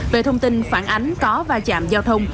về thông tin phản ánh có va chạm giao thông